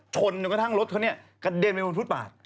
ชนกระทั่งรถเขากระเด็นปืนพุทธปาก